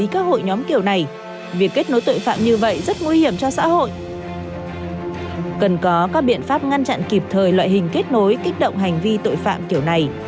cần có các biện pháp ngăn chặn kịp thời loại hình kết nối kích động hành vi tội phạm kiểu này